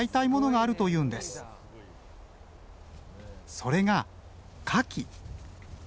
それがカキ。